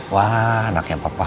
wah anaknya papa